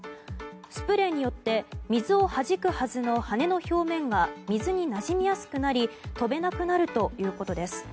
スプレーによって水をはじくはずの羽の表面が水になじみやすくなり飛べなくなるということです。